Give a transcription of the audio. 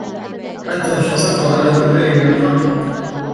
أنتَ حصلت على هؤلاء من الحقل ؟